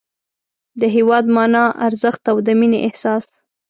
د هېواد مانا، ارزښت او د مینې احساس